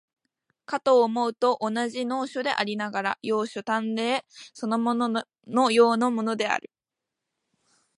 かと思うと、同じ能書でありながら、容姿端麗そのもののようなものもある。